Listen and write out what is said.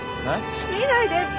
見ないでって。